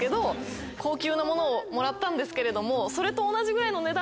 高級なものをもらったんですけれども。